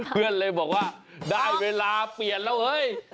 เพื่อนเลยบอกว่าได้เวลาเปลี่ยนแล้วเฮ้ย